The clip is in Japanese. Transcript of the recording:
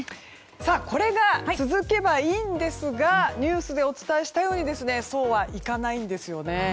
これが続けばいいんですがニュースでお伝えしたようにそうはいかないんですよね。